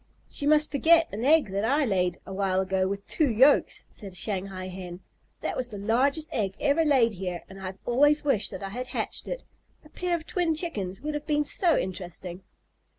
"She must forget an egg that I laid a while ago with two yolks," said a Shanghai Hen. "That was the largest egg ever laid here, and I have always wished that I had hatched it. A pair of twin chickens would have been so interesting."